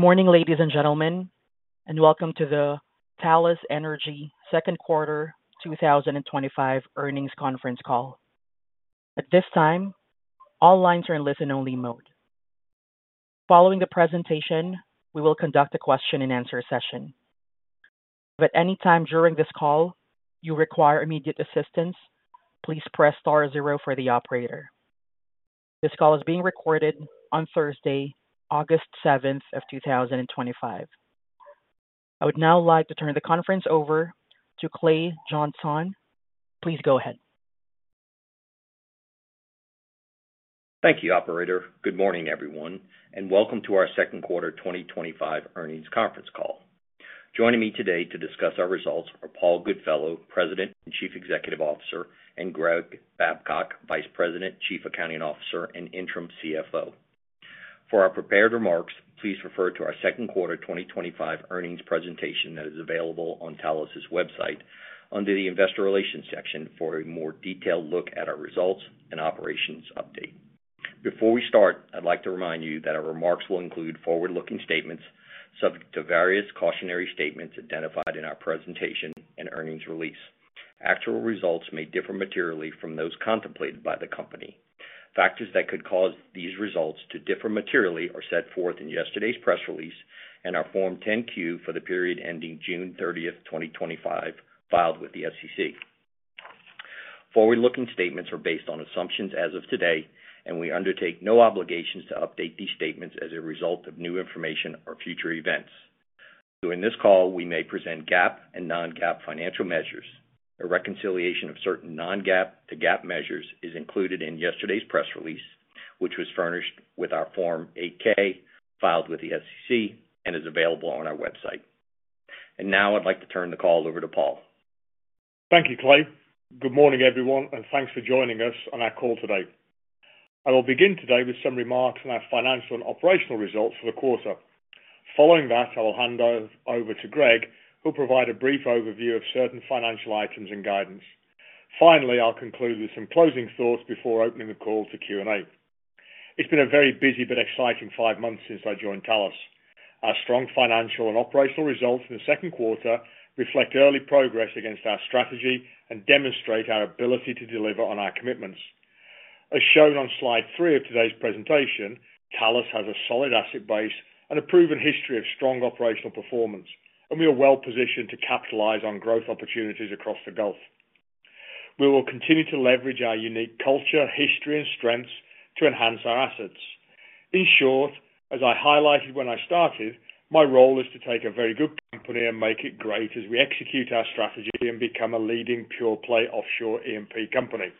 Good morning ladies and gentlemen and welcome to the Talos Energy Second Quarter 2025 Earnings Conference Call. At this time, all lines are in listen-only mode. Following the presentation, we will conduct a question-and-answer session. If at any time during this call you require immediate assistance, please press star zero for the operator. This call is being recorded on Thursday, August 7th, 2025. I would now like to turn the conference over to Clay Jeansonne. Please go ahead. Thank you, operator. Good morning, everyone, and welcome to our Second Quarter 2025 Earnings Conference Call. Joining me today to discuss our results are Paul Goodfellow, President and Chief Executive Officer, and Greg Babcock, Vice President, Chief Accounting Officer, and Interim CFO. For our prepared remarks, please refer to our second quarter 2025 earnings presentation that is available on the Talos' website under the Investor Relations section for a more detailed look at our results and operations update. Before we start, I'd like to remind you that our remarks will include forward-looking statements subject to various cautionary statements identified in our presentation and earnings release. Actual results may differ materially from those contemplated by the company. Factors that could cause these results to differ materially are set forth in yesterday's press release and our Form 10-Q for the period ending June 30th, 2025, filed with the SEC. Forward-looking statements are based on assumptions as of today, and we undertake no obligations to update these statements as a result of new information or future events. During this call, we may present GAAP and non-GAAP financial measures. A reconciliation of certain non-GAAP to GAAP measures is included in yesterday's press release, which was furnished with our Form 8-K filed with the SEC and is available on our website. Now I'd like to turn the call over to Paul. Thank you, Clay. Good morning everyone and thanks for joining us on our call today. I will begin today with some remarks on our financial and operational results for the quarter. Following that I will hand over to Greg who will provide a brief overview of certain financial items and guidance. Finally, I'll conclude with some closing thoughts before opening the call to Q&A. It's been a very busy but exciting five months since I joined Talos. Our strong financial and operational results in the second quarter reflect early progress against our strategy and demonstrate our ability to deliver on our commitments. As shown on slide three of today's presentation, Talos has a solid asset base and a proven history of strong operational performance, and we are well positioned to capitalize on growth opportunities across the Gulf of America. We will continue to leverage our unique culture, history, and strengths to enhance our assets. In short, as I highlighted when I started, my role is to take a very good company and make it great. As we execute our strategy and become a leading pure play offshore E&P company,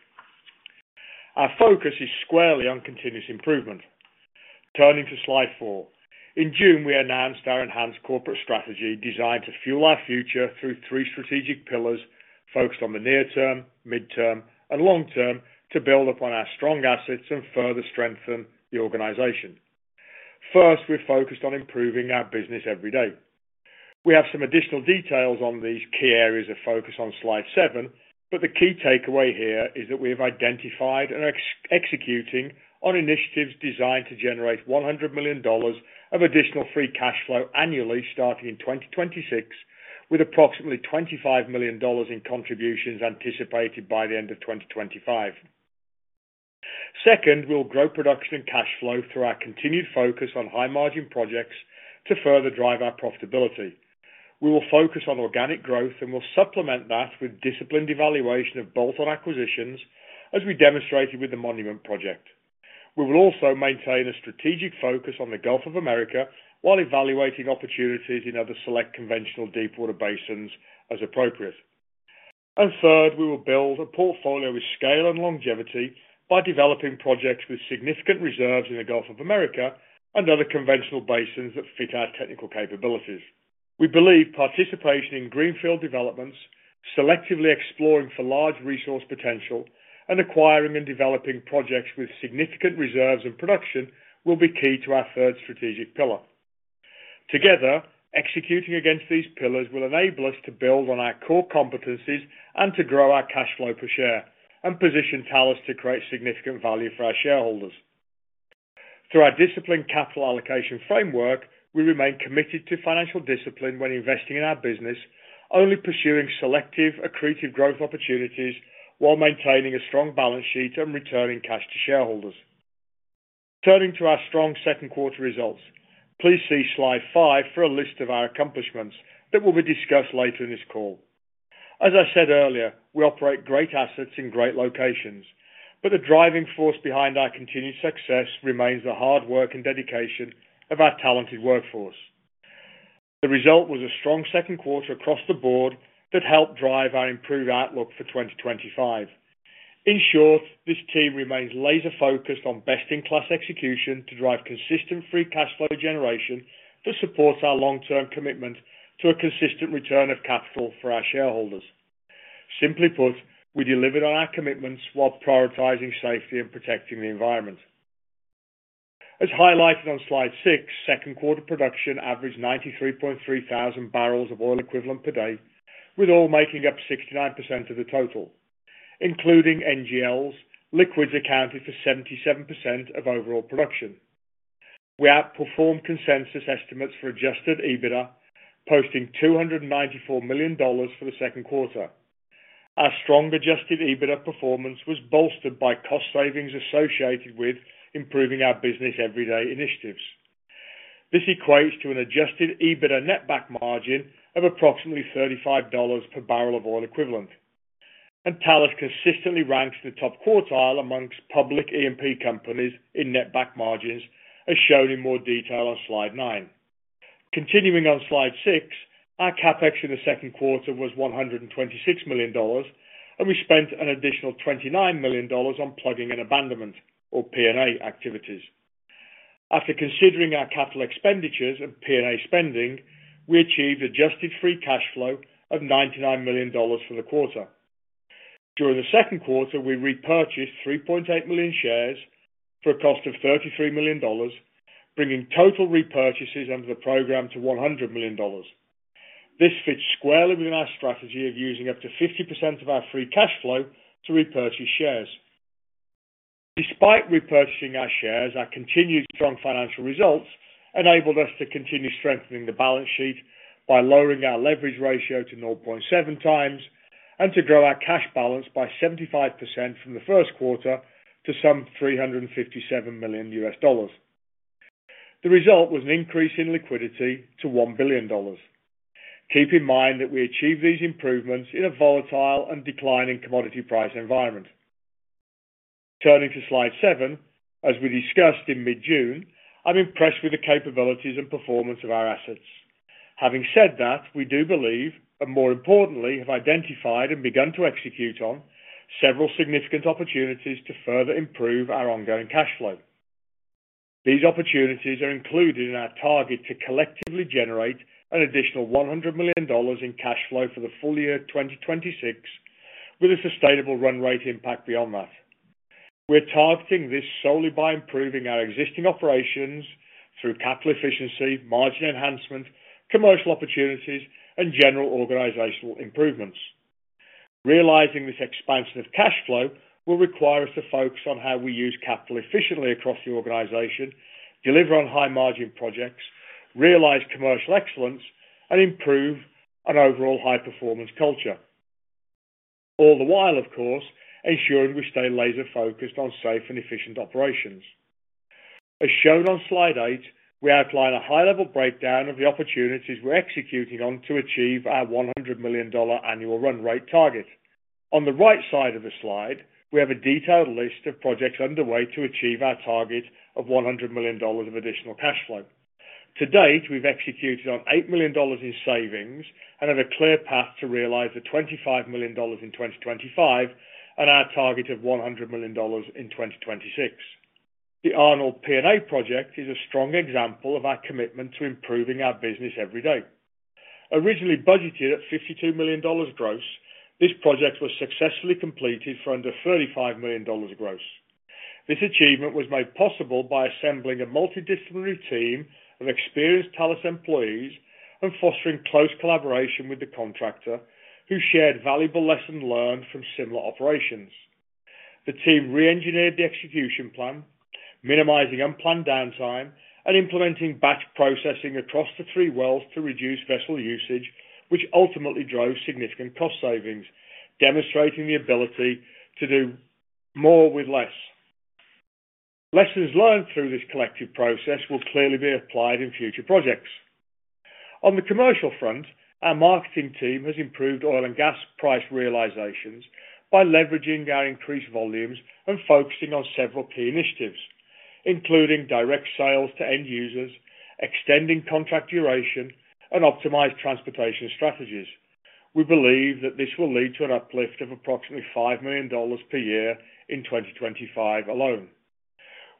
our focus is squarely on continuous improvement. Turning to slide four, in June we announced our enhanced corporate strategy designed to fuel our future through three strategic pillars focused on the near term, mid term, and long term to build upon our strong assets and further strengthen the organization. First, we're focused on improving our business every day. We have some additional details on these key areas of focus on slide seven, but the key takeaway here is that we have identified and are executing on initiatives designed to generate $100 million of additional free cash flow annually starting in 2026 with approximately $25 million in contributions anticipated by the end of 2025. Second, we'll grow production and cash flow through our continued focus on high-margin projects. To further drive our profitability, we will focus on organic growth and will supplement that with disciplined evaluation of bolt-on acquisitions. As we demonstrated with the Monument project, we will also maintain a strategic focus on the Gulf of America while evaluating opportunities in other select conventional deepwater basins as appropriate. Third, we will build a portfolio with scale and longevity by developing projects with significant reserves in the Gulf of America and other conventional basins that fit our technical capabilities. We believe participation in greenfield developments, selectively exploring for large resource potential and acquiring and developing projects with significant reserves and production will be key to our third strategic pillar. Together, executing against these pillars will enable us to build on our core competencies and to grow our cash flow per share and position Talos to create significant value for our shareholders through our disciplined capital allocation framework. We remain committed to financial discipline when investing in our business, only pursuing selective accretive growth opportunities while maintaining a strong balance sheet and returning cash to shareholders. Turning to our strong second quarter results, please see Slide five for a list of our accomplishments that will be discussed later in this call. As I said earlier, we operate great assets in great locations, but the driving force behind our continued success remains the hard work and dedication of our talented workforce. The result was a strong second quarter across the board that helped drive our improved outlook for 2025. In short, this team remains laser focused on best-in-class execution to drive consistent free cash flow generation to support our long-term commitment to a consistent return of capital for our shareholders. Simply put, we delivered on our commitments while prioritizing safety and protecting the environment. As highlighted on Slide six, second quarter production averaged 93.3 thousand barrels of oil equivalent per day, with oil making up 69% of the total. Including NGLs, liquids accounted for 77% of overall production. We outperformed consensus estimates for adjusted EBITDA, posting $294 million for the second quarter. Our strong adjusted EBITDA performance was bolstered by cost savings associated with improving our business every day. This equates to an adjusted EBITDA netback margin of approximately $35 per barrel of oil equivalent, and Talos consistently ranks in the top quartile amongst public E&P companies in netback margins as shown in more detail on Slide nine. Continuing on Slide six, our CapEx in the second quarter was $126 million, and we spent an additional $29 million on plugging and abandonment, or P&A, activities. After considering our capital expenditures and P&A spending, we achieved adjusted free cash flow of $99 million for the quarter. During the second quarter, we repurchased 3.8 million shares for a cost of $33 million, bringing total repurchases under the program to $100 million. This fits squarely within our strategy of using up to 50% of our free cash flow to repurchase shares. Despite repurchasing our shares, our continued strong financial results enabled us to continue strengthening the balance sheet by lowering our leverage ratio to 0.7x and to grow our cash balance by 75% from the first quarter to some $357 million. The result was an increase in liquidity to $1 billion. Keep in mind that we achieved these improvements in a volatile and declining commodity price environment. Turning to slide seven, as we discussed in mid-June, I'm impressed with the capabilities and performance of our assets. Having said that, we do believe, and more importantly have identified and begun to execute on several significant opportunities to further improve our ongoing cash flow. These opportunities are included in our target to collectively generate an additional $100 million in cash flow for the full year 2026 with a sustainable run rate impact. Beyond that, we're targeting this solely by improving our existing operations through capital efficiency, margin enhancement, commercial opportunities, and general organizational improvements. Realizing this expansion of cash flow will require us to focus on how we use capital efficiently across the organization, deliver on high margin projects, realize commercial excellence, and improve an overall high performance culture, all the while of course ensuring we stay laser focused on safe and efficient operations. As shown on slide eight, we outline a high level breakdown of the opportunities we're executing on to achieve our $100 million annual run rate target. On the right side of the slide, we have a detailed list of projects underway to achieve our target of $100 million of additional cash flow. To date, we've executed on $8 million in savings and have a clear path to realize the $25 million in 2025 and our target of $100 million in 2026. The Arnold P&A project is a strong example of our commitment to improving our business every day. Originally budgeted at $52 million gross, this project was successfully completed for under $35 million gross. This achievement was made possible by assembling a multidisciplinary team of experienced Talos employees and fostering close collaboration with the contractor who shared valuable lessons learned from similar operations. The team re-engineered the execution plan, minimizing unplanned downtime and implementing batch processing across the three wells to reduce vessel usage, which ultimately drove significant cost savings, demonstrating the ability to do more with less. Lessons learned through this collective process will clearly be applied in future projects. On the commercial front, our marketing team has improved oil and gas price realizations by leveraging our increased volumes and focusing on several key initiatives including direct sales to end users, extending contract duration, and optimizing transportation strategies. We believe that this will lead to an uplift of approximately $5 million per year in 2025 alone.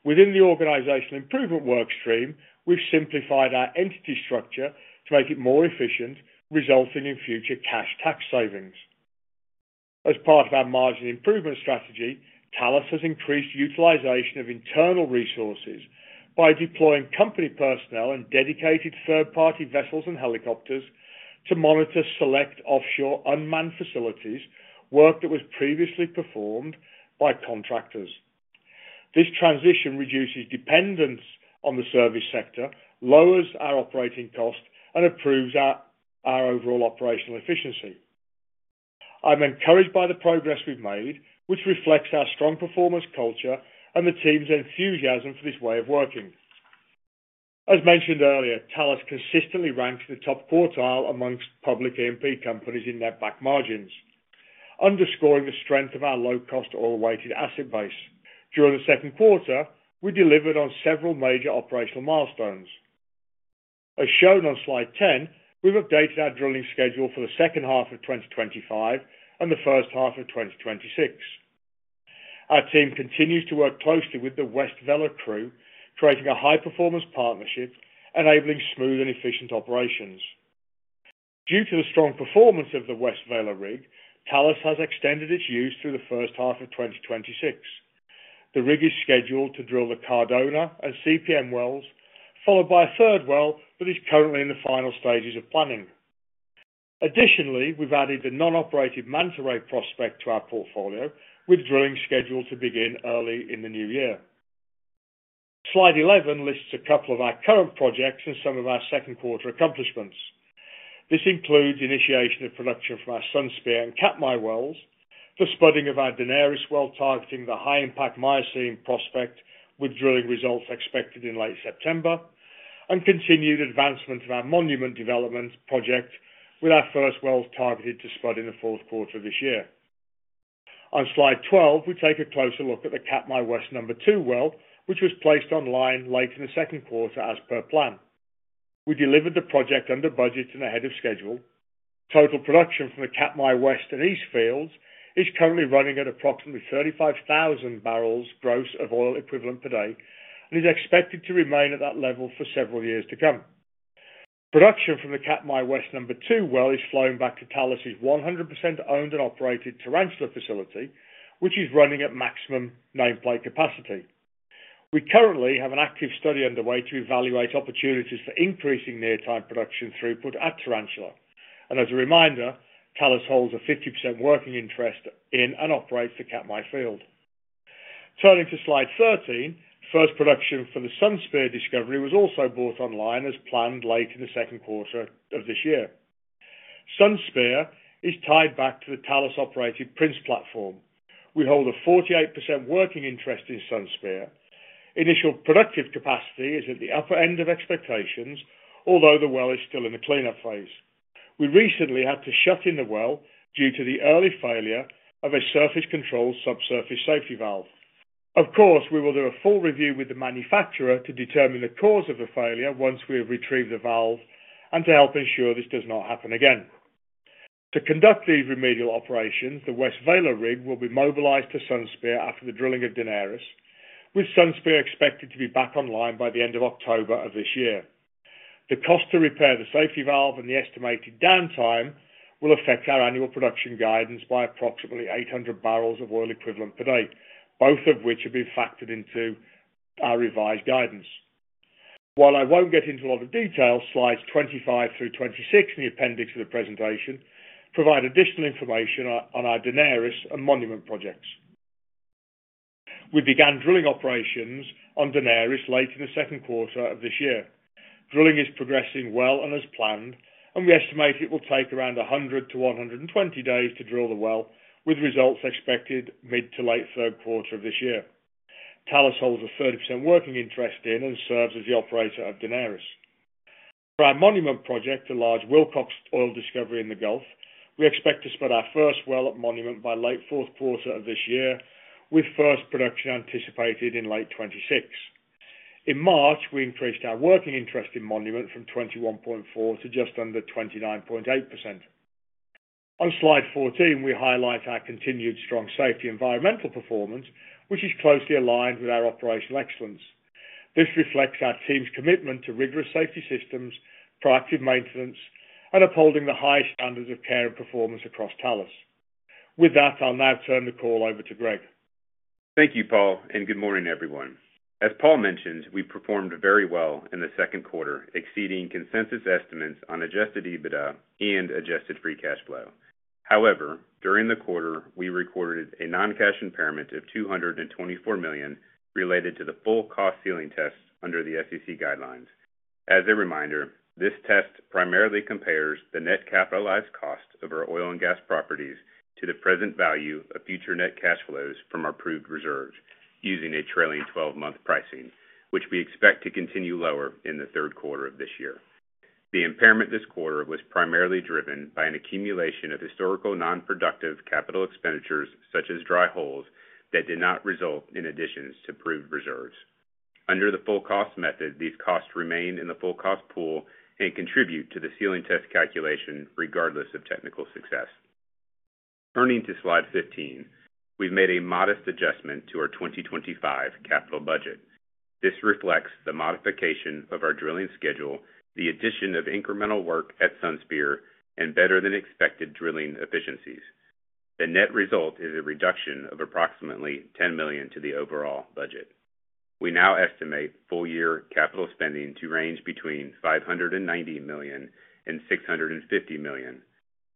Within the organizational improvement workstream, we've simplified our entity structure to make it more efficient, resulting in future cash tax savings. As part of our margin improvement strategy, Talos has increased utilization of internal resources by deploying company personnel and dedicated third-party vessels and helicopters to monitor select offshore unmanned facilities, work that was previously performed by contractors. This transition reduces dependence on the service sector, lowers our operating cost, and improves our overall operational efficiency. I'm encouraged by the progress we've made, which reflects our strong performance culture and the team's enthusiasm for this way of working. As mentioned earlier, Talos consistently ranks in the top quartile amongst public E&P companies in netback margins. Underscoring the strength of our low-cost oil-weighted asset base, during the second quarter we delivered on several major operational milestones. As shown on Slide 10, we've updated our drilling schedule for the second half of 2025 and the first half of 2026. Our team continues to work closely with the West Vela crew, creating a high-performance partnership enabling smooth and efficient operations. Due to the strong performance of the West Vela rig, Talos has extended its use through the first half of 2026. The rig is scheduled to drill the Cardona and CPM wells followed by a third well, but is currently in the final stages of planning. Additionally, we've added a non-operated [Manta Ray] prospect to our portfolio with drilling scheduled to begin early in the new year. Slide 11 lists a couple of our current projects and some of our second quarter accomplishments. This includes initiation of production from our Sunspear and Katmai wells, the spudding of our Daenerys well targeting the high impact Miocene prospect with drilling results expected in late September, and continued advancement of our Monument development project with our first wells targeted to spud in the fourth quarter of this year. On slide 12, we take a closer look at the Katmai West #2 well, which was placed online late in the second quarter. As per plan, we delivered the project under budget and ahead of schedule. Total production from the Katmai West and East fields is currently running at approximately 35,000 barrels of oil equivalent per day gross and is expected to remain at that level for several years to come. Production from the Katmai West #2 well is flowing back to Talos 100% owned and operated Tarantula facility, which is running at maximum nameplate capacity. We currently have an active study underway to evaluate opportunities for increasing near-term production throughput at Tarantula, and as a reminder, Talos holds a 50% working interest in and operates the Katmai field. Turning to slide 13, first, production from the Sunspear discovery was also brought online as planned late in the second quarter of this year. Sunspear is tied back to the Talos-operated Prince platform. We hold a 48% working interest in Sunspear. Initial productive capacity is at the upper end of expectations, although the well is still in the cleanup phase. We recently had to shut in the well due to the early failure of a surface control subsurface safety valve. Of course, we will do a full review with the manufacturer to determine the cause of the failure once we have retrieved the valve and to help ensure this does not happen again. To conduct these remedial operations, the West Vela rig will be mobilized to Sunspear after the drilling of Daenerys, with Sunspear expected to be back online by the end of October of this year. The cost to repair the safety valve and the estimated downtime will affect our annual production guidance by approximately 800 barrels of oil equivalent per day, both of which have been factored into our revised guidance. While I won't get into a lot of detail, slides 25 through 26 in the appendix of the presentation provide additional information on our Daenerys and Monument projects. We began drilling operations on Daenerys late in the second quarter of this year. Drilling is progressing well and as planned, and we estimate it will take around 100 days-120 days to drill the well with results expected mid to late third quarter of this year. Talos holds a 30% working interest in and serves as the operator at Daenerys. For our Monument project, the large Wilcox oil discovery Gulf, we expect to spud our first well at Monument by late fourth quarter of this year with first production anticipated in late 2026. In March we increased our working interest in Monument from 21.4% to just under 29.8%. On slide 14 we highlight our continued strong safety and environmental performance, which is closely aligned with our operational excellence. This reflects our team's commitment to rigorous safety systems, proactive maintenance, and upholding the high standards of care and performance across Talos. With that, I'll now turn the call. Over to Greg. Thank you, Paul, and good morning, everyone. As Paul mentioned, we performed very well in the second quarter, exceeding consensus estimates on adjusted EBITDA and adjusted free cash flow. However, during the quarter we recorded a non-cash impairment of $224 million related to the full cost ceiling tests under the SEC guidelines. As a reminder, this test primarily compares the net capitalized cost of our oil and gas properties to the present value of future net cash flows from our proved reserve using a trailing 12-month pricing, which we expect to continue lower in the third quarter of this year. The impairment this quarter was primarily driven by an accumulation of historical non-productive capital expenditures such as dry holes that did not result in additions to proved reserves under the full cost method. These costs remain in the full cost pool and contribute to the ceiling test calculation regardless of technical success. Turning to Slide 15, we've made a modest adjustment to our 2025 capital budget. This reflects the modification of our drilling schedule, the addition of incremental work at Sunspear, and better than expected drilling efficiencies. The net result is a reduction of approximately $10 million to the overall budget. We now estimate full year capital spending to range between $590 million and $650 million.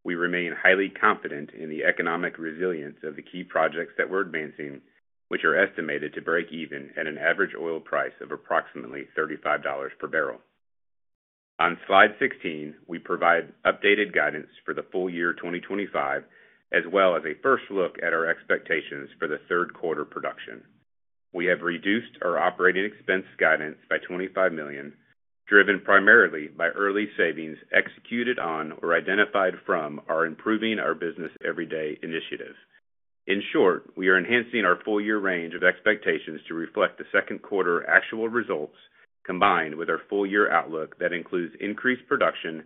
We remain highly confident in the economic resilience of the key projects that we're advancing, which are estimated to break even at an average oil price of approximately $35 per barrel. On Slide 16, we provide updated guidance for the full year 2025 as well as a first look at our expectations for the third quarter production. We have reduced our operating expense guidance by $25 million, driven primarily by early savings executed on or identified from our Improving our business everyday initiative. In short, we are enhancing our full-year range of expectations to reflect the second quarter actual results combined with our full-year outlook that includes increased production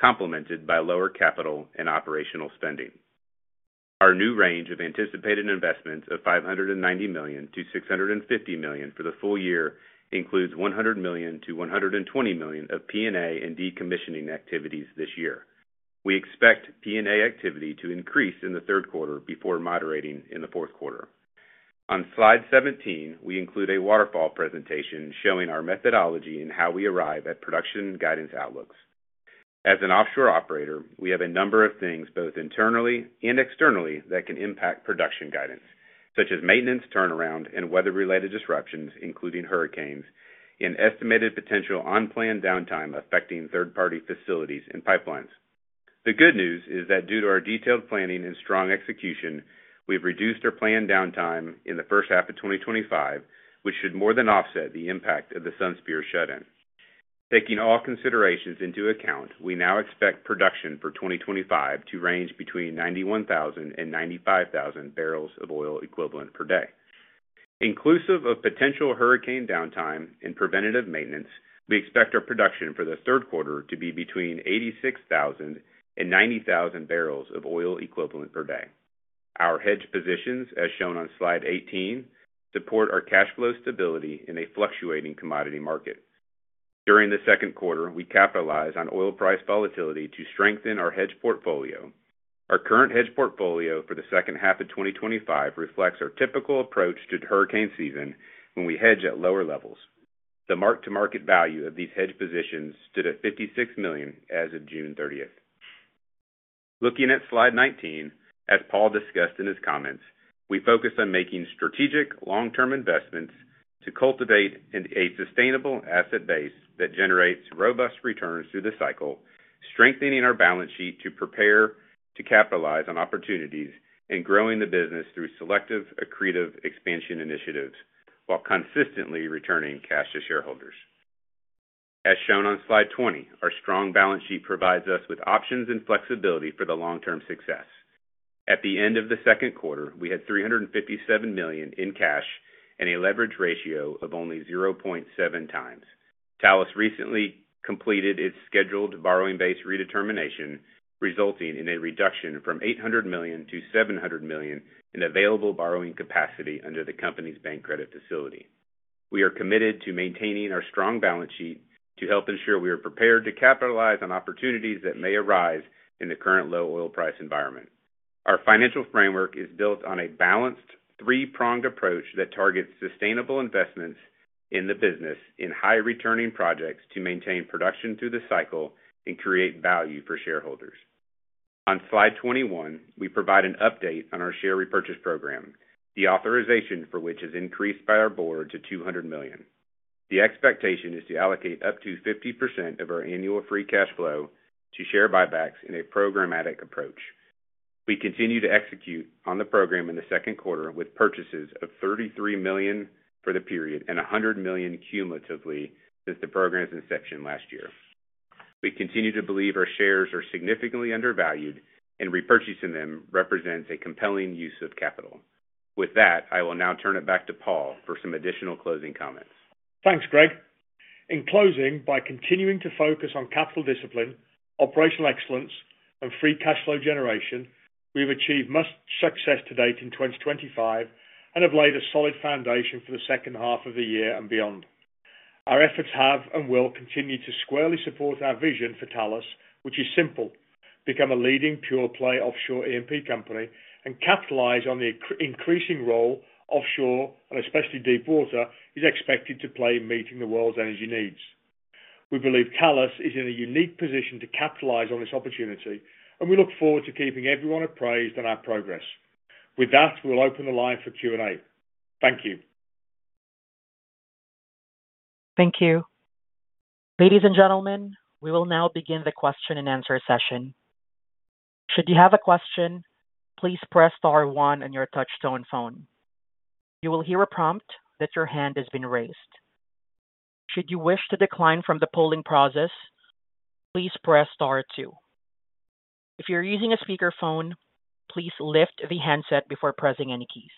complemented by lower capital and operational spending. Our new range of anticipated investments of $590 million-$650 million for the full year includes $100 million-$120 million of P&A and decommissioning activities this year. We expect P&A activity to increase in the third quarter before moderating in the fourth quarter. On Slide 17, we include a waterfall presentation showing our methodology and how we arrive at production guidance outlooks. As an offshore operator, we have a number of things both internally and externally that can impact production guidance, such as maintenance, turnaround, and weather-related disruptions including hurricanes and estimated potential unplanned downtime affecting third-party facilities and pipelines. The good news is that due to our detailed planning and strong execution, we've reduced our planned downtime in the first half of 2025, which should more than offset the impact of the Sunspear shut-in. Taking all considerations into account, we now expect production for 2025 to range between 91,000 barrels-95,000 barrels of oil equivalent per day, inclusive of potential hurricane downtime and preventative maintenance. We expect our production for the third quarter to be between 86,000 barrels and 90,000 barrels of oil equivalent per day. Our hedge positions as shown on Slide 18 support our cash flow stability in a fluctuating commodity market. During the second quarter, we capitalized on oil price volatility to strengthen our hedge portfolio. Our current hedge portfolio for the second half of 2025 reflects our typical approach to hurricane season when we hedge at lower levels. The mark-to-market value of these hedge positions stood at $56 million as of June 30. Looking at Slide 19, as Paul discussed in his comments, we focus on making strategic long-term investments to cultivate a sustainable asset base that generates robust returns through the cycle, strengthening our balance sheet to prepare to capitalize on opportunities, and growing the business through selective accretive expansion initiatives while consistently returning cash to shareholders. As shown on Slide 20, our strong balance sheet provides us with options and flexibility for long-term success. At the end of the second quarter, we had $357 million in cash and a leverage ratio of only 0.7x. Talos recently completed its scheduled borrowing base redetermination, resulting in a reduction from $800 million to $700 million in available borrowing capacity under the company's bank credit facility. We are committed to maintaining our strong balance sheet to help ensure we are prepared to capitalize on opportunities that may arise in the current low oil price environment. Our financial framework is built on a balanced three-pronged approach that targets sustainable investments in the business in high returning projects to maintain production through the cycle and create value for shareholders. On Slide 21, we provide an update on our share repurchase program, the authorization for which is increased by our board to $200 million. The expectation is to allocate up to 50% of our annual free cash flow to share buybacks. In a programmatic approach, we continue to execute on the program in the second quarter with purchases of $33 million for the period and $100 million cumulatively since the program's inception last year. We continue to believe our shares are significantly undervalued and repurchasing them represents a compelling use of capital. With that, I will now turn it back to Paul for some additional closing comments. Thanks, Greg. In closing, by continuing to focus on capital discipline, operational excellence, and free cash flow generation, we have achieved much success to date in 2024 and have laid a solid foundation for the second half of the year and beyond. Our efforts have and will continue to squarely support our vision for Talos, which is simple: become a leading pure play offshore E&P company and capitalize on the increasing role offshore and especially deepwater is expected to play in meeting the world's energy needs. We believe Talos is in a unique position to capitalize on this opportunity and we look forward to keeping everyone apprised on our progress. With that, we'll open the line for Q&A. Thank you. Thank you, ladies and gentlemen, we will now begin the question-and-answer session. Should you have a question, please press star one on your touchtone phone. You will hear a prompt that your hand has been raised. Should you wish to decline from the polling process, please press star two. If you're using a speakerphone, please lift the handset before pressing any keys.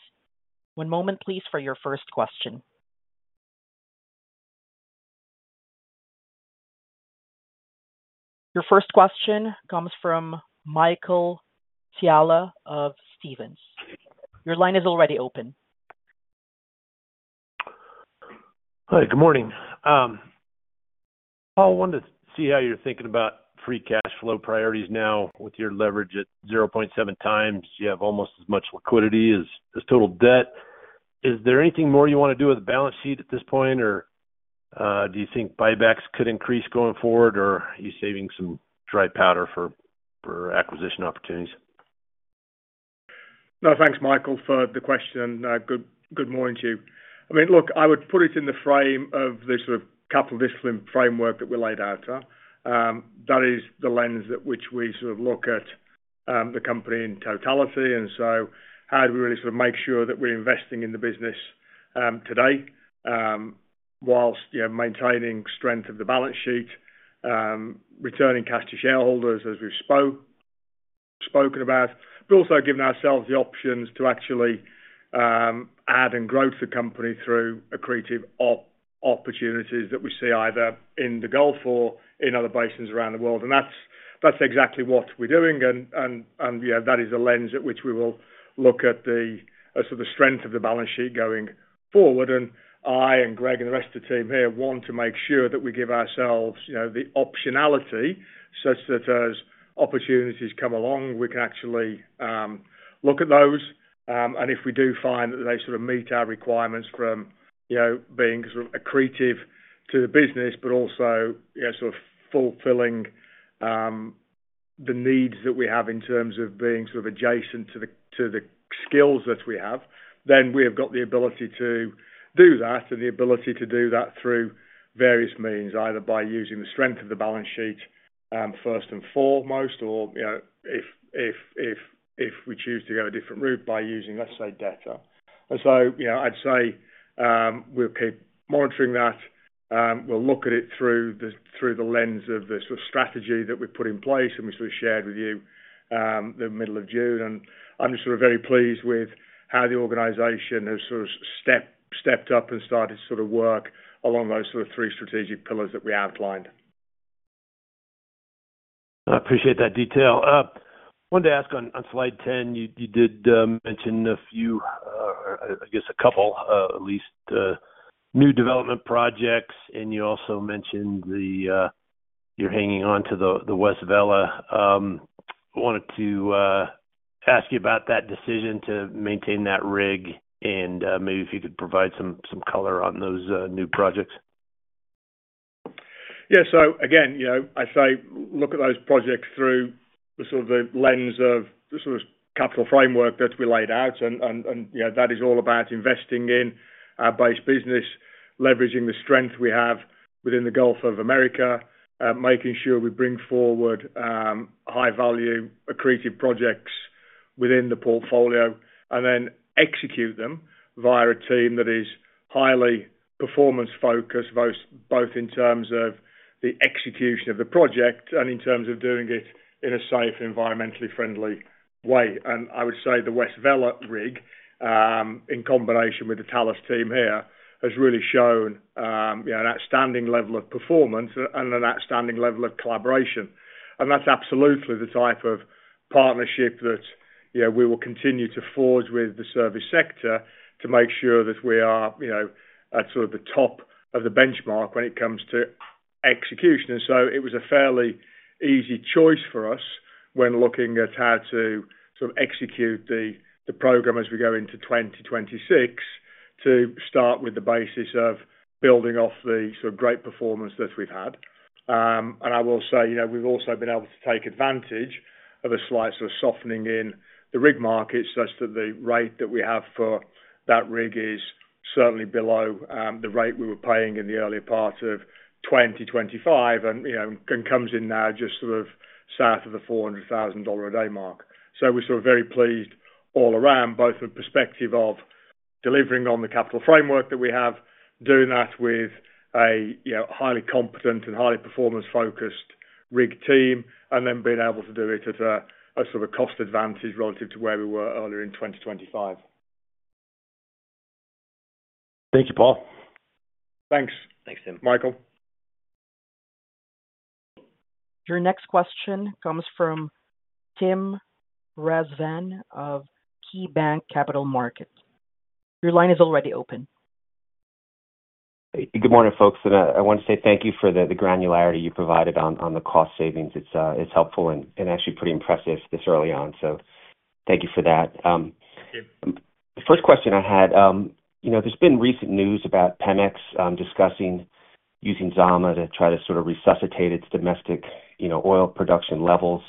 One moment please for your first question. Your first question comes from Michael Scialla of Stephens. Your line is already open. Hi, good morning. Paul. Wanted to see how you're thinking about free cash flow priorities. Now, with your leverage at 0.7x, you have almost as much liquidity as total debt. Is there anything more you want to do with the balance sheet at this point? Do you think buybacks could increase going forward, or are you saving some dry powder for acquisition opportunities? No, thanks Michael, for the question. Good morning to you. I mean, look, I would put it in the frame of the sort of capital discipline framework that we laid out. That is the lens at which we sort of look at the company in totality. How do we really sort of make sure that we're investing in the business today whilst maintaining strength of the balance sheet, returning cash to shareholders, as we've spoken about, but also giving ourselves the options to actually add and grow to the company through accretive opportunities that we see either in the Gulf or in other basins around the world. That's exactly what we're doing. That is a lens at which we will look at the strength of the balance sheet going forward. I and Greg and the rest of the team here want to make sure that we give ourselves the optionality such that as opportunities come along, we can actually look at those. If we do find that they sort of meet our requirements from, you know, being sort of accretive to the business, but also, you know, sort of fulfilling the needs that we have in terms of being sort of adjacent to the skills that we have, then we have got the ability to do that and the ability to do that through various means, either by using the strength of the balance sheet first and foremost, or if we choose to go a different route, by using, let's say, debt. I'd say we'll keep monitoring that. We'll look at it through the lens of the strategy that we put in place. We sort of shared with you the middle of June and I'm just very pleased with how the organization has sort of stepped up and started to work along those three strategic pillars that we outlined. I appreciate that detail. Wanted to ask on slide 10, you did mention a few, I guess a couple at least, new development projects. You also mentioned the, you're hanging on to the West Vela. I wanted to ask you about that decision to maintain that rig and maybe if you could provide some color on those new projects. Yes. Again, I say look at those projects through the lens of the capital framework that we laid out. That is all about investing in our base business, leveraging the strength we have within the Gulf of America, making sure we bring forward high value accretive projects within the portfolio and then execute them via a team that is highly performance focused, both in terms of the execution of the project and in terms of doing it in a safe, environmentally friendly way. I would say the West Vela rig in combination with the Talos team here has really shown an outstanding level of performance and an outstanding level of collaboration. That's absolutely the type of partnership that, you know, we will continue to forge with the service sector to make sure that we are, you know, at sort of the top of the benchmark when it comes to execution. It was a fairly easy choice for us when looking at how to sort of execute the program as we go into 2026 to start with the basis of building off the sort of great performance that we've had. I will say, you know, we've also been able to take advantage of a slice of softening in the rig market such that the rate that we have for that rig is certainly below the rate we were paying in the earlier part of 2025 and comes in now just sort of South of the $400,000 a day mark. We're sort of very pleased all around, both with the perspective of delivering on the capital framework that we have, doing that with a highly competent and highly performance focused rig team and then being able to do it at a sort of cost advantage relative to where we were earlier in 2025. Thank you, Paul. Thanks. Thanks. Michael. Your next question comes from Tim Rezvan of KeyBanc Capital Markets. Your line is already open. Good morning folks. I want to say thank you for the granularity you provided on the cost savings. It's helpful and actually pretty impressive this early on. Thank you for that. The first question I had, you know, there's been recent news about Pemex discussing using Zama to try to sort of resuscitate its domestic, you know, oil production levels.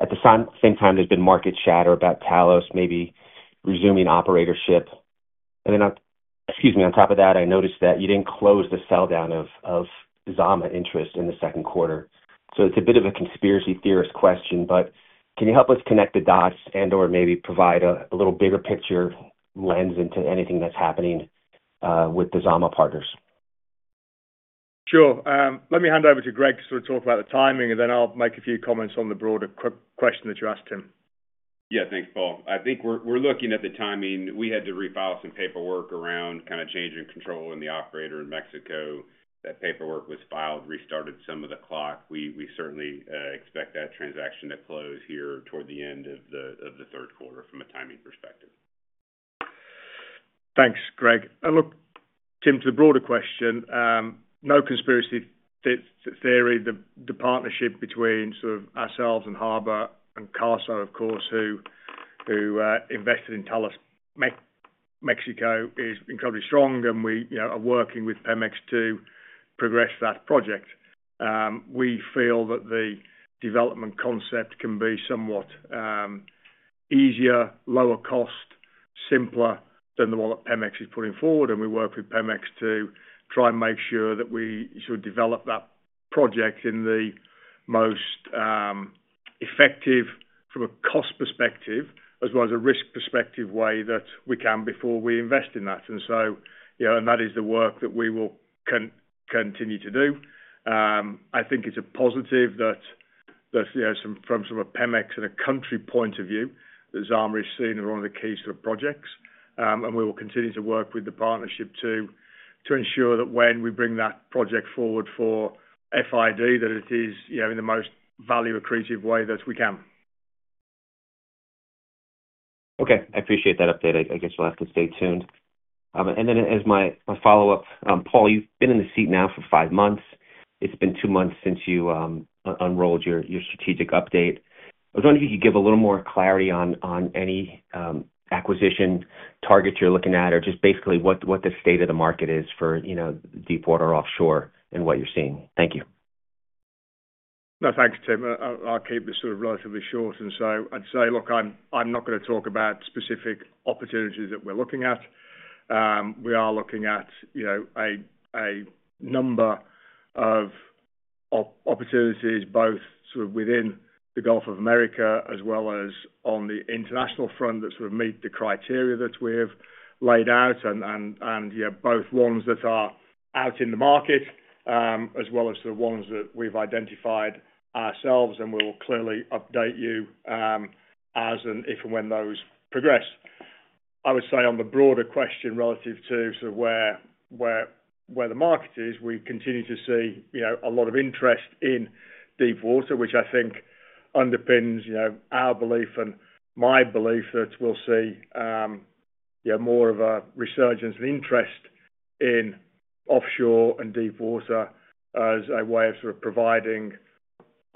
At the same time, there's been market chatter about Talos maybe resuming operatorship. Excuse me, on top of that, I noticed that you didn't close the sell down of Zama interest in the second quarter. It's a bit of a conspiracy theorist question, but can you help us connect the dots and maybe provide a little bigger picture lens into anything that's happening with the Zama partners? Sure. Let me hand over to Greg to sort of talk about the timing, and then I'll make a few comments on the broader crypto question that you asked him. Yeah, thanks, Paul. I think we're looking at the timing. We had to refile some paperwork around kind of changing control in the operator in Mexico. That paperwork was filed, restarted some of the clock. We certainly expect that transaction to close here toward the end of the third quarter from a timing perspective. Thanks, Greg. Look, Tim, to the broader question. No conspiracy theories. The theory, the partnership between sort of ourselves and Harbor and Carso, of course, who invested in Talos Mexico, is incredibly strong and we are working with Pemex to progress that project. We feel that the development concept can be somewhat easier, lower cost, simpler than the one that Pemex is putting forward. We work with Pemex to try and make sure that we should develop that project in the most effective, from a cost perspective as well as a risk perspective, way that we can before we invest in that. That is the work that we will continue to do. I think it's a positive that from a Pemex and a country point of view that Zama is seen as one of the key sort of projects and we will continue to work with the partnership to ensure that when we bring that project forward for FID that it is in the most value accretive way that we can. Okay, I appreciate that update. I guess you'll have to stay tuned. As my follow up, Paul, you've been in the seat now for five months. It's been two months since you unrolled your strategic update. I was wondering if you could give a little more clarity on any acquisition targets you're looking at or just basically what the state of the market is for deepwater offshore and what you're seeing. Thank you. No, thanks, Tim. I'll keep this relatively short. I'd say, look, I'm not going to talk about specific opportunities that we're looking at. We are looking at a number of opportunities both within the Gulf of America as well as on the international front that meet the criteria that we have laid out and both ones that are out in the market as well as the ones that we've identified ourselves. We'll clearly update you as and if and when those progress. I would say on the broader question relative to where the market is, we continue to see a lot of interest in deepwater, which I think underpins our belief and my belief that we'll see more of a resurgence of interest in offshore and deepwater as a way of providing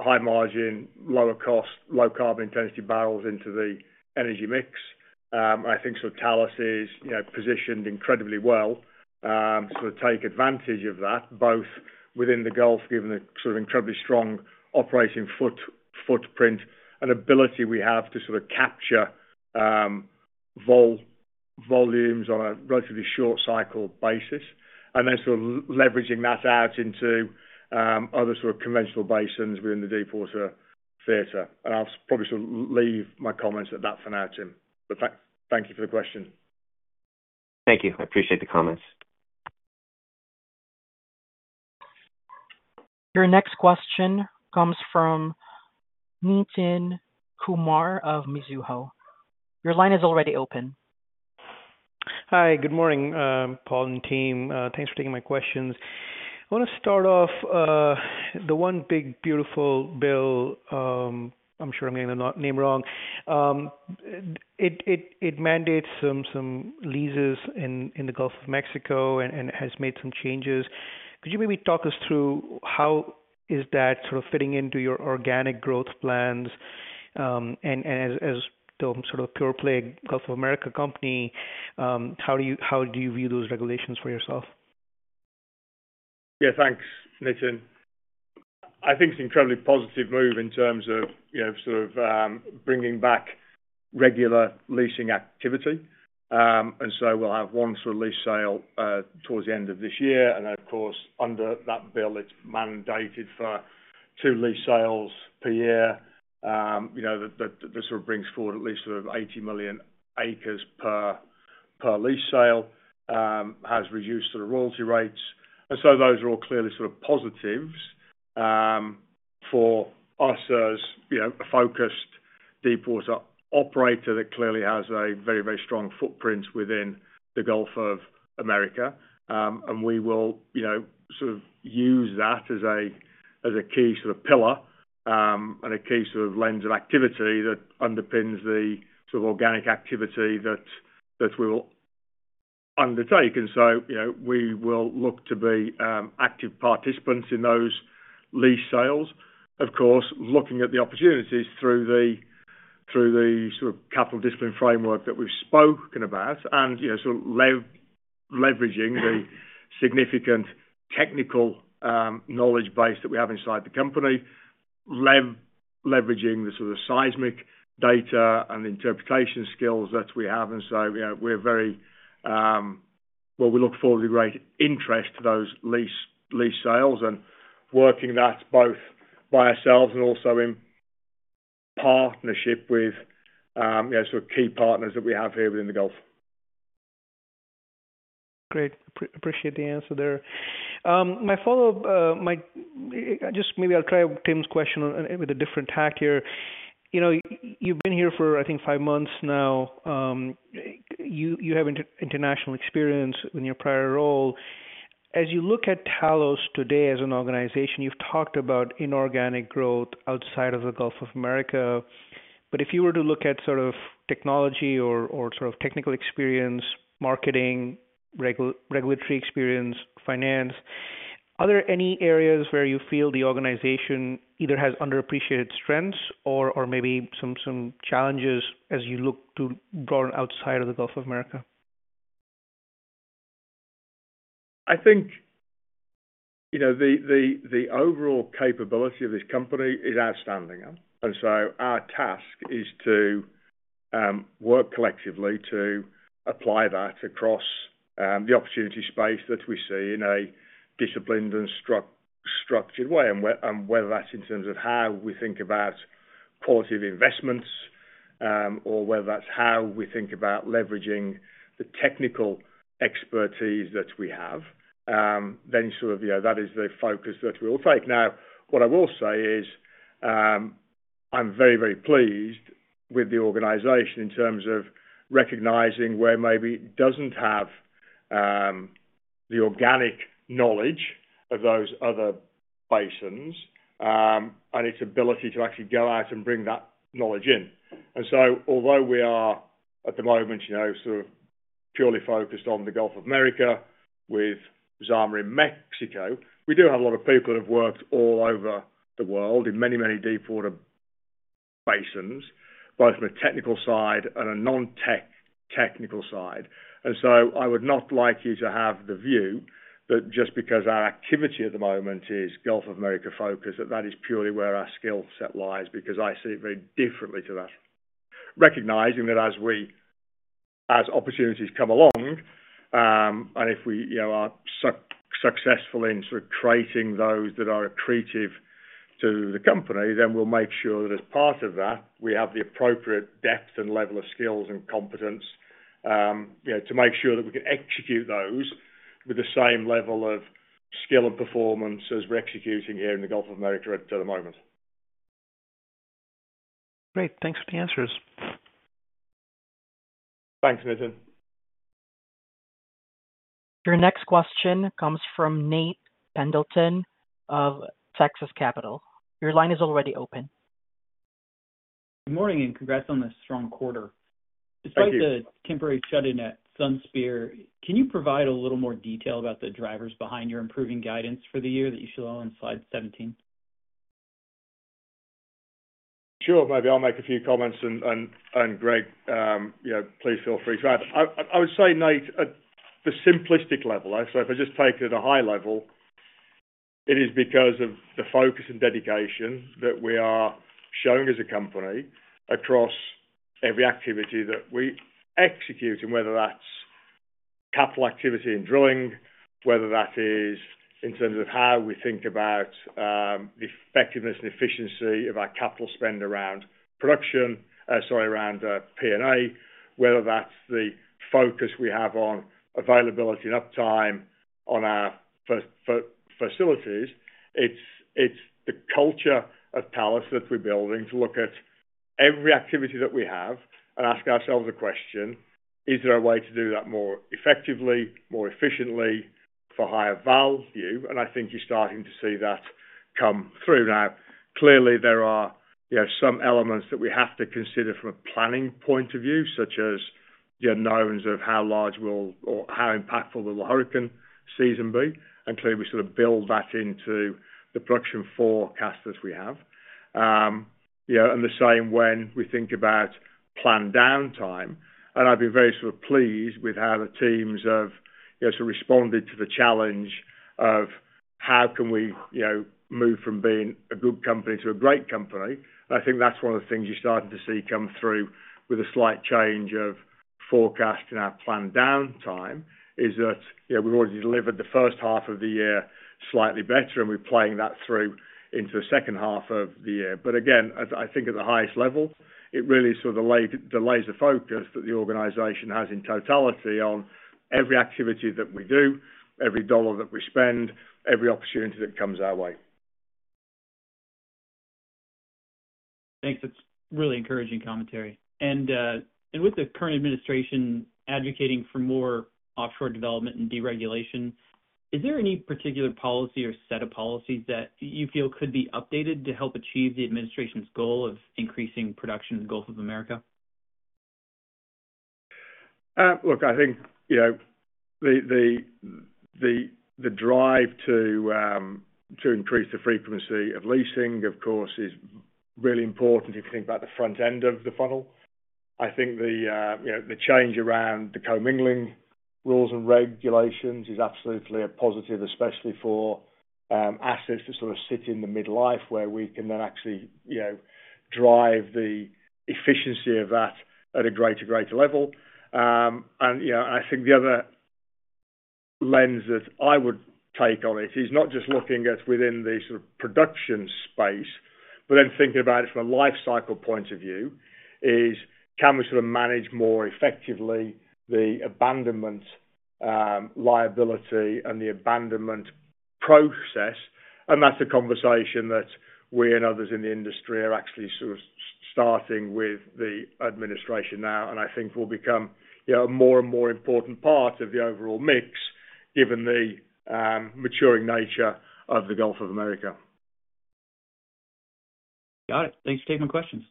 high margin, lower cost, low carbon intensity barrels into the energy mix. I think Talos is positioned incredibly well to take advantage of that both within the Gulf, given the incredibly strong operating footprint and ability we have to capture volumes on a relatively short cycle basis, and then leveraging that out into other conventional basins within the deepwater theatre. I'll probably leave my comments at that for now, Tim, but thank you for the question. Thank you. I appreciate the comments. Your next question comes from Nitin Kumar of Mizuho. Your line is already open. Hi, good morning, Paul and team. Thanks for taking my questions. I want to start off with the one big beautiful bill. I'm sure I'm getting the name wrong. It mandates some leases in the Gulf of Mexico and has made some changes. Could you maybe talk us through how is that sort of fitting into your organic growth plans, and as the sort of pure play Gulf of America company, how do you view those regulations for yourself? Yeah, thanks, Nitin. I think it's incredibly positive move in terms of sort of bringing back regular leasing activity. We'll have one sort of lease sale towards the end of this year. Of course, under that bill, it's mandated for two lease sales per year. That sort of brings forward at least 80 million acres per lease sale, has reduced sort of royalty rates. Those are all clearly positives for us, as you know, a focused deepwater operator that clearly has a very, very strong footprint within the Gulf of America. We will use that as a key pillar and a case of lens of activity that underpins the sort of organic activity that we will undertake. We will look to be active participants in those lease sales, of course, looking at the opportunities through the sort of capital discipline framework that we've spoken about and leveraging the significant technical knowledge base that we have inside the company, leveraging the sort of seismic data and interpretation skills that we have. We're very well. We look forward with great interest to those lease sales and working that both by ourselves and also in partnership with key partners that we have here within the Gulf. Great. Appreciate the answer there. My follow up, just maybe I'll try Tim's question with a different tact here. You've been here for, I think, five months now. You have international experience in your prior role. As you look at Talos today as an organization, you've talked about inorganic growth outside of the Gulf of America. If you were to look at technology or technical experience, marketing, regulatory experience, finance, are there any areas where you feel the organization either has underappreciated strengths or maybe some challenges as you look to broaden outside of the Gulf of America? I think the overall capability of this company is outstanding. Our task is to work collectively to apply that across the opportunity space that we see in a disciplined and structured way. Whether that's in terms of how we think about quality of investments or how we think about leveraging the technical expertise that we have, that is the focus that we will take. What I will say is I'm very, very pleased with the organization in terms of recognizing where maybe it doesn't have the organic knowledge of those other basins and its ability to actually go out and bring that knowledge in. Although we are at the moment, you know, sort of purely focused on the Gulf of America with Zama in Mexico, we do have a lot of people who have worked all over the world in many, many deepwater basins, both from a technical side and a non-technical side. I would not like you to have the view that just because our activity at the moment is Gulf of America focused, that that is purely where our skill set lies. I see it very differently to that, recognizing that as opportunities come along and if we are successful in creating those that are accretive to the company, then we'll make sure that as part of that we have the appropriate depth and level of skills and competence to make sure that we can execute those with the same level of skill and performance as we're executing here in the Gulf of America at the moment. Great. Thanks for the answers. Thanks, Nitin. Your next question comes from Nate Pendleton of Texas Capital. Your line is already open. Good morning and congrats on this strong quarter despite the temporary shut-in at Sunspear. Can you provide a little more detail about the drivers behind your improving guidance for the year that you show on slide 17? Sure, maybe I'll make a few comments. Greg, please feel free to add. I would say, Nate, at the simplistic level, if I just take it at a high level, it is because of the focus and dedication that we are showing as a company across every activity that we execute, whether that's capital activity in drilling, or in terms of how we think about the effectiveness and efficiency of our capital spend around production—sorry, around P&A. Whether that's the focus we have on availability and uptime on our facilities, it's the culture of Talos that we're building to look at every activity that we have and ask ourselves a question: Is there a way to do that more effectively, more efficiently, for higher value? I think you're starting to see that come through. There are some elements that we have to consider from a planning point of view, such as your knowns of how large or how impactful the hurricane season will be. We build that into the production forecasters we have, and the same when we think about planned downtime. I've been very pleased with how the teams have responded to the challenge of how can we move from being a good company to a great company. I think that's one of the things you're starting to see come through with a slight change of forecast. Our planned downtime is that we've already delivered the first half of the year slightly better, and we're playing that through into the second half of the year. At the highest level, it really delays the focus that the organization has in totality on every activity that we do, every dollar that we spend, every opportunity that comes our way. Thanks. That's really encouraging commentary. With the current administration advocating for more offshore development and deregulation, is there any particular policy or set of policies that you feel could be updated to help achieve the administration's goal of increasing production in the Gulf of America? Look, I think the drive to increase the frequency of leasing, of course, is really important if you think about the front end of the funnel. I think the change around the commingling rules and regulations is absolutely a positive, especially for assets that sort of sit in the midlife where we can then actually drive the efficiency of that at a greater, greater level. I think the other lens that I would take on it is not just looking at within the sort of production space, but then thinking about it from a life cycle point of view. Can we sort of manage more effectively the abandonment liability and the abandonment process? That's a conversation that we and others in the industry are actually starting with the administration now, and I think it will become a more and more important part of the overall mix, given the maturing nature of the Gulf of America. Got it. Thanks for taking questions.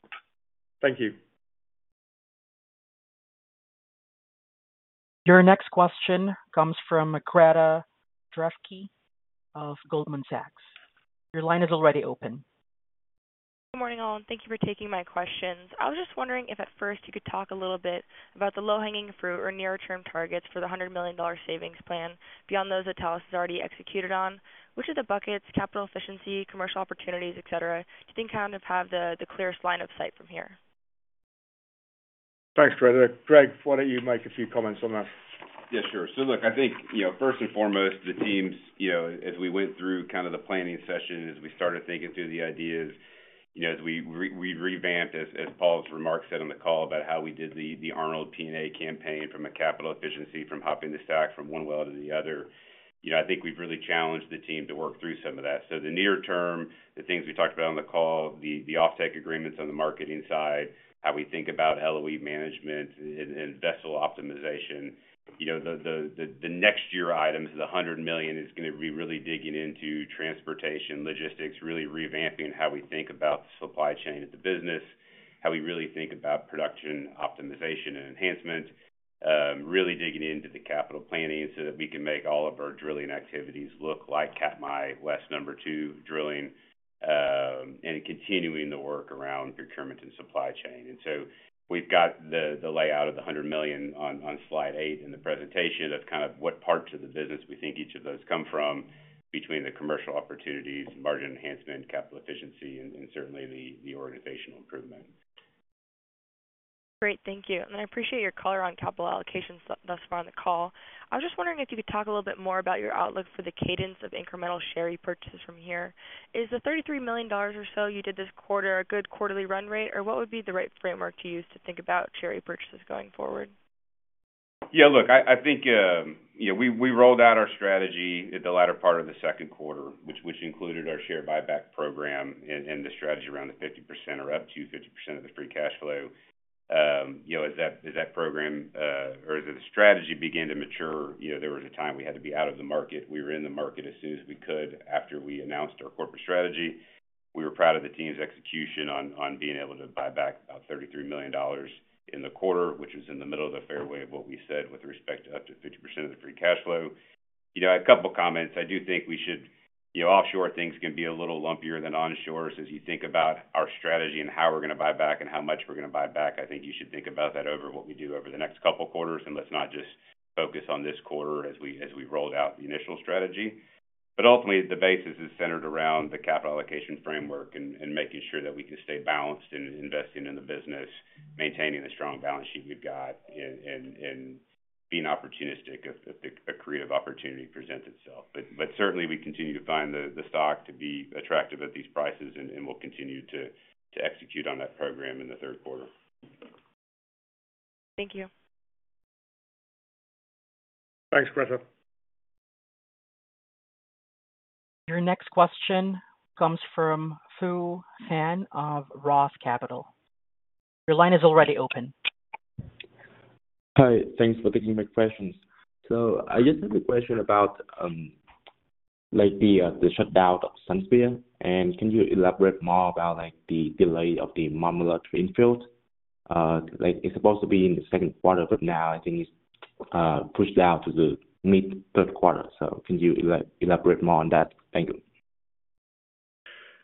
Thank you. Your next question comes from Greta Drefke of Goldman Sachs. Your line is already open. Good morning all and thank you for taking my questions. I was just wondering if at first you could talk a little bit about the low hanging fruit or near term targets for the $100 million savings plan beyond those that Talos has already executed, on which of the buckets, capital, efficiency, commercial opportunities, et cetera, do you think kind of have the clearest line of sight from here. Thanks, Greta. Greg, why don't you make a few comments on that? Yeah, sure. I think, first and foremost, the teams, as we went through the planning session, as we started thinking through the ideas, as we revamped, as Paul's remarks said on the call about how we did the Arnold P&A campaign from a capital efficiency, from hopping the stack from one well to the other, I think we've really challenged the team to work through some of that. In the near term, the things we talked about on the call, the offset agreements on the marketing side, how we think about LOE management and vessel optimization, the next year items, the $100 million is going to be really digging into transportation logistics, really revamping how we think about the supply chain at the business, how we really think about production optimization and enhancement, really digging into the capital planning so that we can make all of our drilling activities look like Katmai West #2 drilling and continuing the work around procurement and supply chain. We've got the layout of the $100 million on slide 8 in the presentation of what parts of the business we think each of those come from between the commercial opportunities, margin enhancement, capital efficiency, and certainly the organizational improvement. Great, thank you. I appreciate your color on capital allocation thus far on the call. I was just wondering if you could talk a little bit more about your outlook for the cadence of incremental share repurchases from here. Is the $33 million or so you did this quarter a good quarterly run rate, or what would be the right framework to use to think about share repurchases going forward? Yeah, look, I think we rolled out our strategy at the latter part of the second quarter, which included our share buyback program and the strategy around the 50% or up to 50% of the free cash flow. As that program or the strategy began to mature, there was a time we had to be out of the market. We were in the market as soon as we could. After we announced our corporate strategy, we were proud of the team's execution on being able to buy back about $33 million in the quarter, which is in the middle of the fairway of what we said with respect to up to 50% of the free cash flow. A couple comments. I do think we should note offshore things can be a little lumpier than onshore. As you think about our strategy and how we're going to buy back and how much we're going to buy back, I think you should think about that over what we do over the next couple quarters. Let's not just focus on this quarter as we rolled out the initial strategy. Ultimately, the basis is centered around the capital allocation framework and making sure that we can stay balanced in investing in the business, maintaining the strong balance sheet we've got, and being opportunistic if a creative opportunity presents itself. Certainly, we continue to find the stock to be attractive at these prices and we'll continue to execute on that program in the third quarter. Thank you. Thanks, Greta. Your next question comes from Phu Pham of ROTH Capital. Your line is already open. Hi, thanks for taking my questions. I just have a question about the shutdown of Sunspear, and can you elaborate more about the delay of the Marmalard rainfall? Like it's supposed to be in the second quarter, I think it's. Pushed out to the mid third quarter. Can you elaborate more on that? Thank you.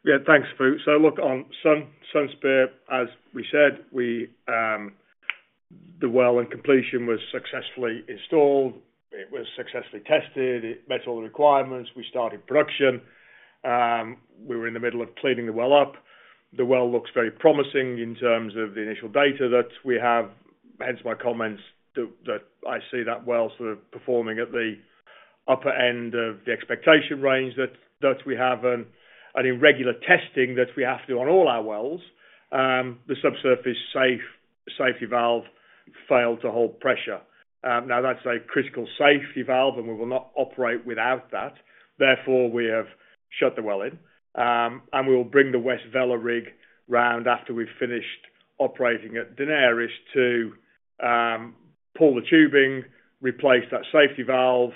Yeah, thanks, Phu. On Sunspear, as we said, the well and completion was successfully installed, it was successfully tested, it met all the requirements. We started production, we were in the middle of cleaning the well up. The well looks very promising in terms of the initial data that we have, hence my comments that I see that well sort of performing at the upper end of the expectation range that we have and regular testing that we have to do on all our wells. The subsurface safety valve failed to hold pressure. That is a critical safety valve and we will not operate without that. Therefore, we have shut the well in and we will bring the West Vela rig around after we've finished operating at Daenerys to pull the tubing, replace that safety valve,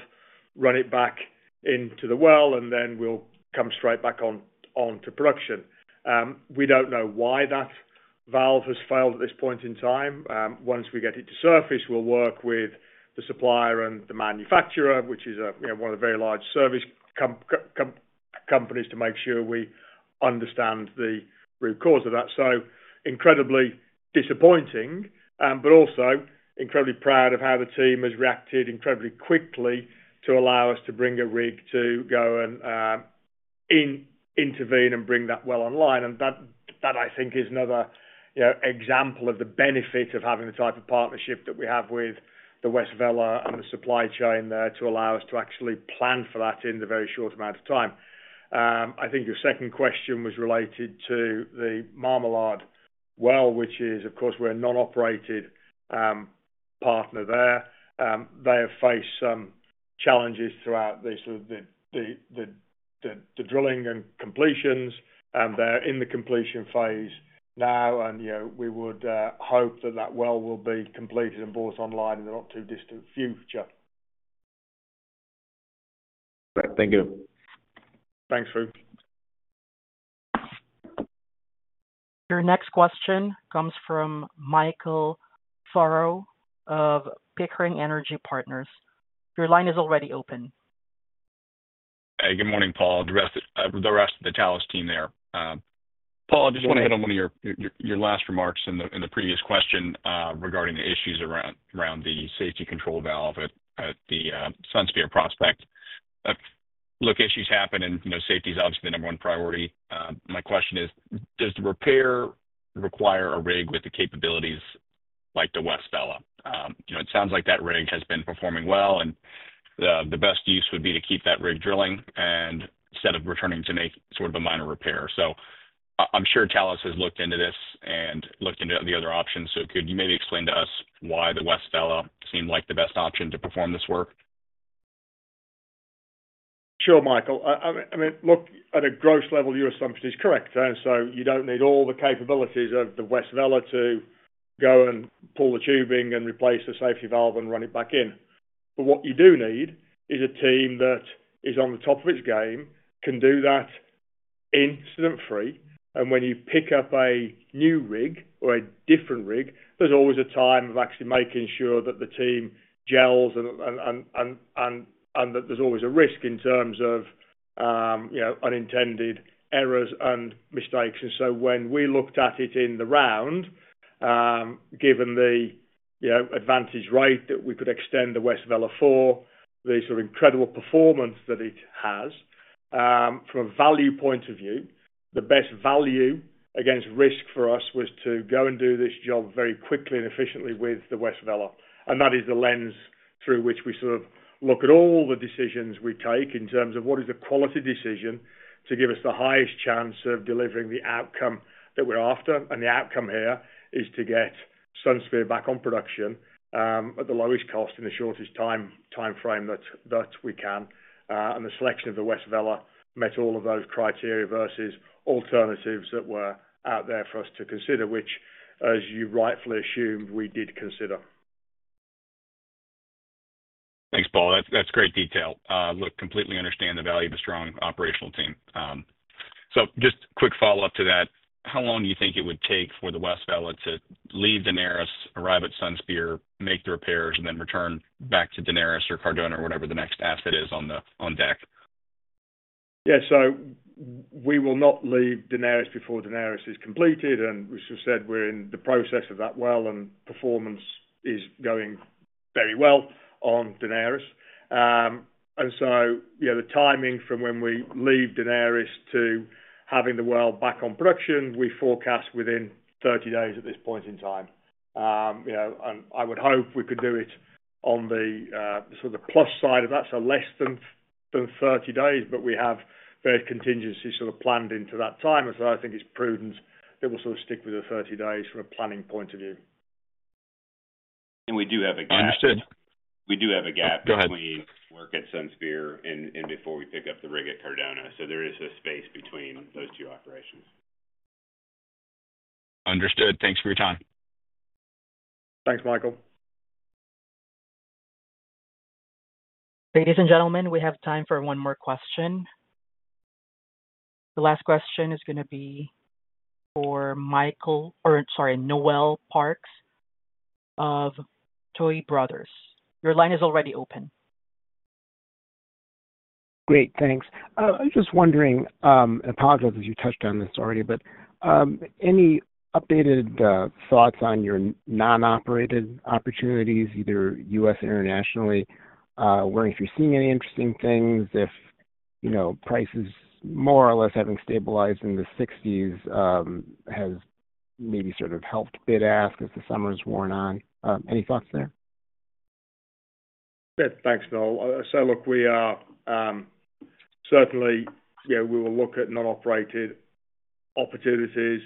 run it back into the well and then we'll come straight back on to production. We don't know why that valve has failed at this point in time. Once we get it to surface, we'll work with the supplier and the manufacturer, which is one of the very large service companies, to make sure we understand the root cause of that. Incredibly disappointing, but also incredibly proud of how the team has reacted incredibly quickly to allow us to bring a rig to go and intervene and bring that well online. I think that is another example of the benefit of having the type of partnership that we have with the West Vela and the supply chain there to allow us to actually plan for that in a very short amount of time. I think your second question was related to the Marmalard well, which is of course we're a non-operated partner there. They have faced some challenges throughout the drilling and completions. They're in the completion phase now and we would hope that that well will be completed and brought online in the not too distant future. Thank you. Thanks, Phu. Your next question comes from Michael Furrow of Pickering Energy Partners. Your line is already open. Hey, good morning, Paul. The rest of the Talos team there. Paul, I just want to hit on. One of your last remarks in the previous question regarding the issues around the safety control valve at the Sunspear prospect. Look, issues happen and, you know, safety is obviously the number one priority. My question is, does the repair require a rig with the capabilities like the West Vela? You know, it sounds like that rig has been performing well and the best. Use would be to keep that rig. Drilling and instead of returning to make sort of a minor repair, I'm sure Talos has looked into this and looked into the other options. Could you maybe explain to us why the West Vela seemed like the best option to perform this work? Sure, Michael. I mean, look, at a gross level, your assumption is correct. You don't need all the capabilities of the West Vela to go and pull the tubing and replace the safety valve and run it back in. What you do need is a team that is on the top of its game and can do that incident free. When you pick up a new rig or a different rig, there's always a time of actually making sure that the team gels and that there's always a risk in terms of unintended errors and mistakes. When we looked at it in the round, given the advantage rate that we could extend the West Vela for, the sort of incredible performance that it has from a value point of view, the best value against risk for us was to go and do this job very quickly and efficiently with the West Vela. That is the lens through which we sort of look at all the decisions we take in terms of what is the quality decision to give us the highest chance of delivering the outcome that we're after. The outcome here is to get Sunspear back on production at the lowest cost in the shortest timeframe that we can. The selection of the West Vela met all of those criteria versus alternatives that were out there for us to consider, which, as you rightfully assumed, we did consider. Thanks, Paul. That's great detail. I completely understand the value of the strong operational team. Just a quick follow-up to that, how long do you think it would? Take for the West Vela to leave. Arrive at Sunspear, make the repairs, and then return back to Cardona or whatever the next asset is. On the on deck? Yeah, we will not leave Daenerys before Daenerys is completed. We should say we're in the process of that. Performance is going very well on Daenerys. The timing from when we leave Daenerys to having the well back on production, we forecast within 30 days at this point in time, and I would hope we could do it on the sort of the plus side of that, so less than 30 days, but we have various contingencies planned into that time. I think it's prudent that we'll stick with the 30 days from a planning point of view. We do have a gap. We do have a gap. Go ahead. Work at Sunspear and before we pick up the rig at Cardona, there is a space between those two operations. Understood. Thanks for your time. Thanks, Michael. Ladies and gentlemen, we have time for one more question. The last question is going to be for Noel Parks of Tuohy Brothers. Your line is already open. Great, thanks. I was just wondering, apologize as you touched on this already, but any updated thoughts on your non-operated opportunities either U.S. or internationally, if you're seeing any interesting things, if prices more or less having stabilized in the $60s has maybe sort of helped bid-ask as the summer's worn on. Any thoughts there? Thanks, Noel. We will look at non-operated opportunities,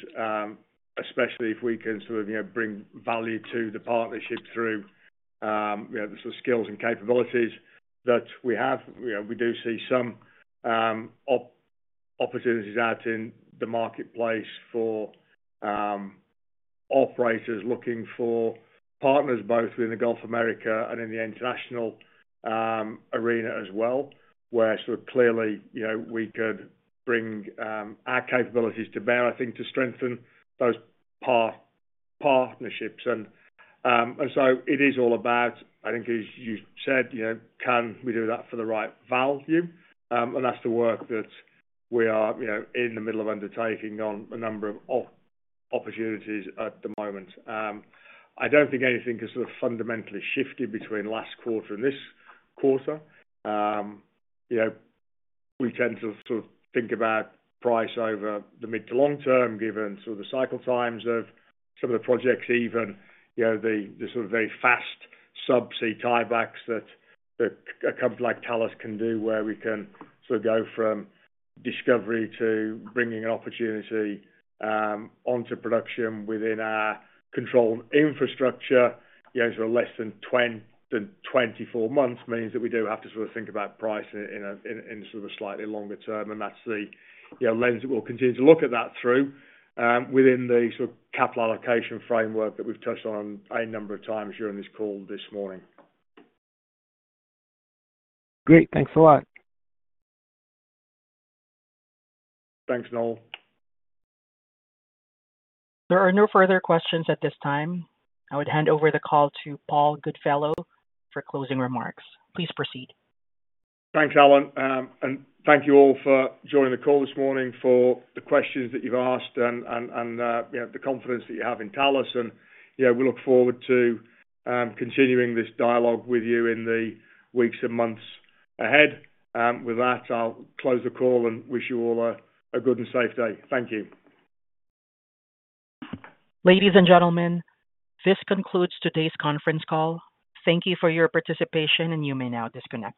especially if we can sort of bring value to the partnership through the skills and capabilities that we have. We do see some opportunities out in the marketplace for operators looking for partners both in Gulf of America and in the international arena as well where clearly, you know, we could bring our capabilities to bear, I think to strengthen those partnerships. It is all about, I think as you said, you know, can we do that for the right value. That's the work that we are in the middle of undertaking on a number of opportunities at the moment. I don't think anything has fundamentally shifted between last quarter and this quarter. We tend to think about price over the mid to long term given the cycle times of some of the projects, even the very fast subsea tiebacks that a company like Talos can do where we can go from discovery to bringing an opportunity onto production within our controlled infrastructure. Less than 24 months means that we do have to think about price in a slightly longer term. That's the lens that we'll continue to look at that through within the capital allocation framework that we've touched on a number of times during this call this morning. Great. Thanks a lot. Thanks, Noel. There are no further questions at this time. I would hand over the call to Paul Goodfellow for closing remarks. Please proceed. Thanks, Alan. Thank you all for joining the call this morning for the questions that you've asked and the confidence that you have in Talos. We look forward to continuing this dialogue with you in the weeks and months ahead. With that, I'll close the call and wish you all a good and safe day. Thank you. Ladies and gentlemen, this concludes today's conference call. Thank you for your participation. You may now disconnect.